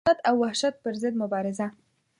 د خشونت او وحشت پر ضد مبارزه.